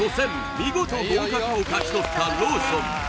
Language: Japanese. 見事合格を勝ち取ったローソン